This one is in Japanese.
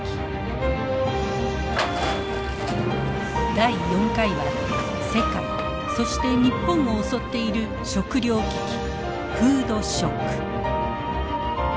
第４回は世界そして日本を襲っている食料危機フードショック。